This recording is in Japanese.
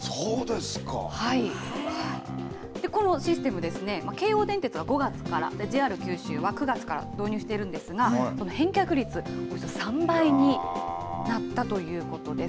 で、このシステムですね、京王電鉄が５月から、ＪＲ九州は９月から導入しているんですが、その返却率、およそ３倍になったということです。